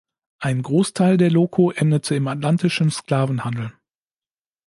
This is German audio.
Ein Großteil der Loko endete im atlantischen Sklavenhandel.